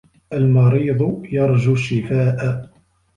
الْمَرِيضُ يَرْجُو الشِّفَاءَ.